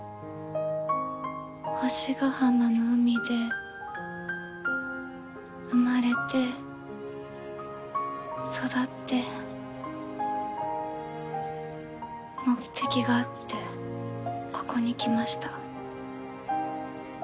星ヶ浜の海で生まれて育って目的があってここに来ました。